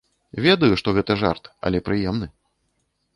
Ведаю, што гэта жарт, але прыемны.